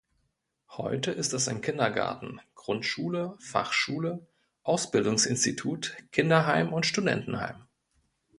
Heute ist es ein Kindergarten, Grundschule, Fachschule, Ausbildungsinstitut, Kinderheim und Studentenheim.